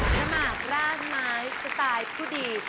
สมัครราชไม้สไตล์สุดี